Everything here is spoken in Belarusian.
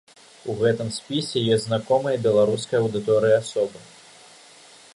У гэтым спісе ёсць знаёмыя беларускай аўдыторыі асобы.